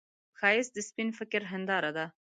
ښایست د سپين فکر هنداره ده